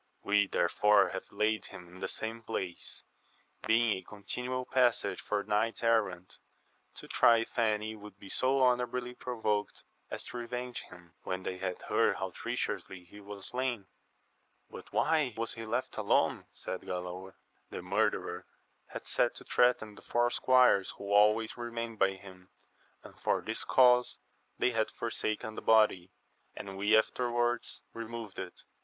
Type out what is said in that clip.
We therefore have laid him in that same place, being a continual passage for knights errant, to try if any would be so honourably provoked as to revenge him, when they had heard how treacheiowaV^ Y^a n^i^®* ^^scdl. But why was he left alone 1 said C3j»\aot. ^V<^ ^ssact 150 AMADIS OF GAUL. derer had sent to threaten the four squires who always remained by him, and for this cause they had forsaken the body, and we afterwards removed it.